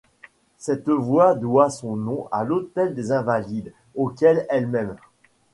Cette voie doit son nom à l'hôtel des Invalides auquel elle mène.